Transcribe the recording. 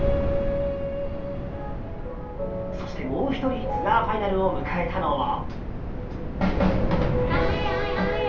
そして、もう１人ツアーファイナルを迎えたのは。